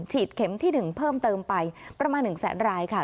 เข็มที่๑เพิ่มเติมไปประมาณ๑แสนรายค่ะ